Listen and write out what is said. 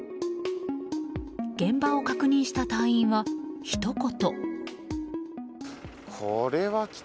現場を確認した隊員は、ひと言。